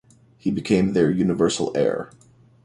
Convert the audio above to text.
He became their universal heir.